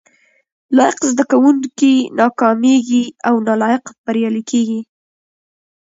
لایق زده کوونکي ناکامیږي او نالایق بریالي کیږي